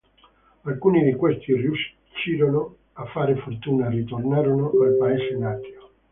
Alcuni di questi riuscirono a fare fortuna e ritornarono al paese natio.